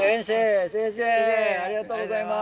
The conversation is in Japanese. ありがとうございます。